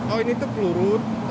oh ini tuh peluru